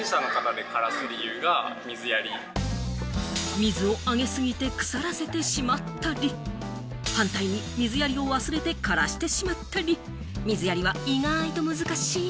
水をあげすぎて腐らせてしまったり、反対に水やりを忘れて枯らしてしまったり、水やりは意外と難しい。